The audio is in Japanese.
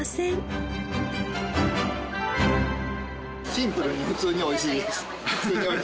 シンプルに普通に美味しいです。